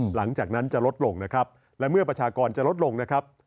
หลังจากนั้นจะลดลงนะครับและเมื่อประชากรจะลดลงนะครับ